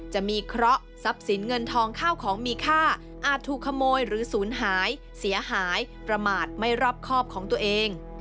จะมีเคราะห์ทรัพย์สินเงินทองข้าวของมีค่าอาจถูกขโมยหรือศูนย์หายเสียหายประมาทไม่รอบครอบของตัวเอง